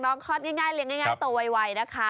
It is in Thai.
น้องคลอดง่ายเรียงง่ายโตวัยนะคะ